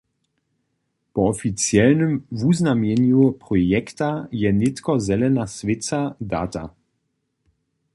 Po oficialnym wuznamjenjenju projekta je nětko zelena swěca data.